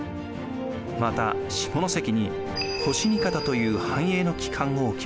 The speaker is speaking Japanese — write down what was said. また下関に越荷方という藩営の機関を置きます。